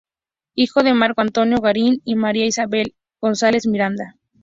Hijo de Marco Antonio Garín Reyes y María Isabel González Miranda.